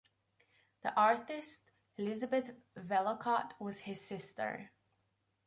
The artist Elisabeth Vellacott was his sister.